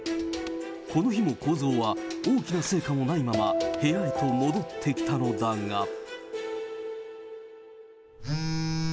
この日も公造は、大きな成果もないまま部屋へと戻ってきたのだが。